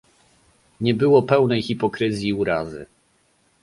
Nie było pełnej hipokryzji urazy